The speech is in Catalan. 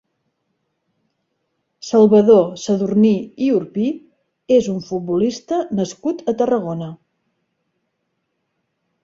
Salvador Sadurní i Urpí és un futbolista nascut a Tarragona.